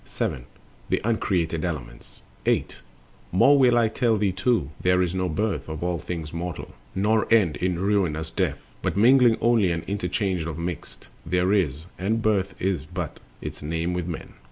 7. The uncreated elements. Birth and Death. 8. More will I tell thee too: there is no birth Of all things mortal, nor end in ruinous death; But mingling only and interchange of mixed There is, and birth is but its name with men.